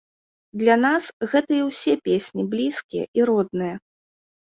Для нас гэтыя ўсе песні блізкія і родныя.